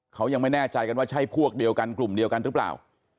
เขายังไม่แน่ใจกันว่าใช่พวกเดียวกันกลุ่มเดียวกันหรือเปล่า